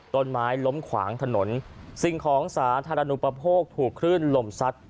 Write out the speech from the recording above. ต้นไม้ล้มขวางถนนสิ่งของสาธารณูปโภคถูกคลื่นลมซัด